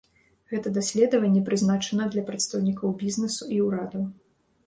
Гэта даследаванне прызначана для прадстаўнікоў бізнесу і ўрадаў.